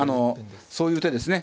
そういう手ですね。